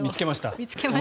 見つけました？